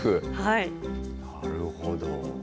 なるほど。